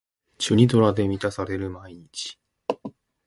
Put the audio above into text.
チュニドラで満たされる毎日